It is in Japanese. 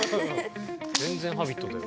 全然「Ｈａｂｉｔ」だよ。